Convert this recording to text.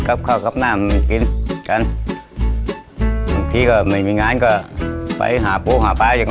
ก็จะอาบน้ำให้น้องแต่งตัวให้น้อง